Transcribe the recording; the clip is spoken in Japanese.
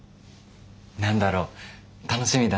何だろう楽しみだな。